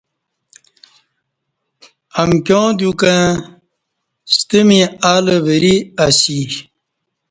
امکیاں دیوکہ ستہ می الہ وری اسی